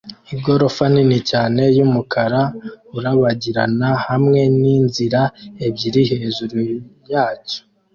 Igorofa nini cyane yumukara urabagirana hamwe n'inzira ebyiri hejuru yacyo